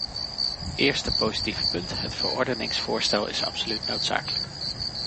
Eerste positieve punt: het verordeningsvoorstel is absoluut noodzakelijk.